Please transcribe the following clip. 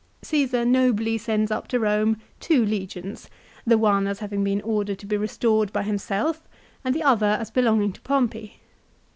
Csesar nobly sends up to Rome two legions, the one as having been ordered to be restored by himself and the other as belonging to Pompey.